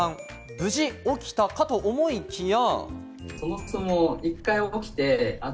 無事起きたかと思いきや。